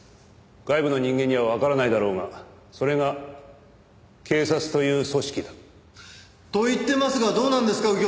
外部の人間にはわからないだろうがそれが警察という組織だ。と言ってますがどうなんですか？